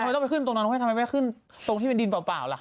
เราก็ต้องไปขึ้นตรงนั่นทำไมไม่มาขึ้นตรงที่มันดินเปล่าอ่ะ